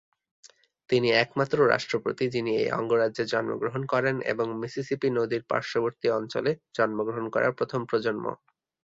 তিনি একমাত্র রাষ্ট্রপতি যিনি এই অঙ্গরাজ্যে জন্মগ্রহণ করেন এবং মিসিসিপি নদীর পার্শ্ববর্তী অঞ্চলে জন্মগ্রহণ করা প্রথম প্রজন্ম।